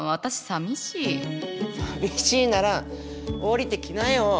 さみしいなら降りてきなよ。